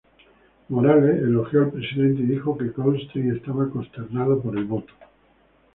Morales, elogió al presidente y dijo que Goldstein estaba "consternado" por el voto.